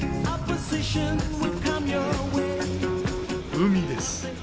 海です。